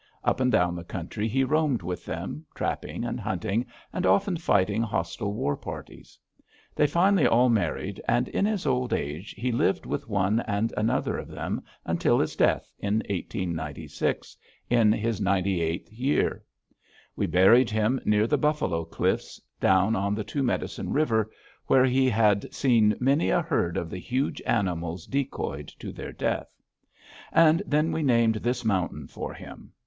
Up and down the country he roamed with them, trapping and hunting, and often fighting hostile war parties. They finally all married, and in his old age he lived with one and another of them until his death, in 1896, in his ninety eighth year. We buried him near the buffalo cliffs, down on the Two Medicine River, where he had seen many a herd of the huge animals decoyed to their death. And then we named this mountain for him.